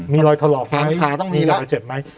มีรอยถลอกไหมมีรอยเจ็บไหม